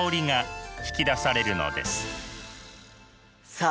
さあ